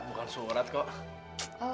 bukan surat kok